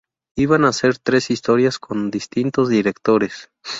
Iban a ser tres historias con distintos directores.